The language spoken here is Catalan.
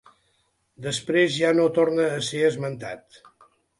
Després ja no torna a ser esmentat.